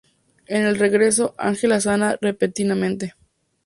En el regreso, Ángela sana repentinamente.